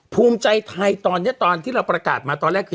ภูมิใจไทยตอนนี้ตอนที่เราประกาศมาตอนแรกคือ